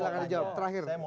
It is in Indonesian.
emang kpk tidak pernah terjawab